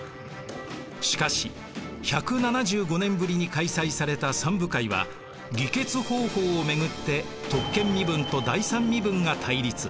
しかし１７５年ぶりに開催された三部会は議決方法を巡って特権身分と第三身分が対立。